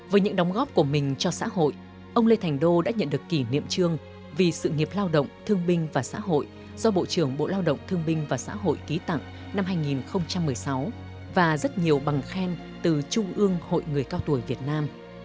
với những đóng góp của mình cho xã hội ông lê thành đô đã nhận được kỷ niệm trương vì sự nghiệp lao động thương binh và xã hội do bộ trưởng bộ lao động thương binh và xã hội ký tặng năm hai nghìn một mươi sáu và rất nhiều bằng khen từ trung ương hội người cao tuổi việt nam